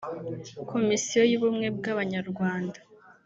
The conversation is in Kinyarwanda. Komisiyo y’Ubumwe bw’Abanyarwanda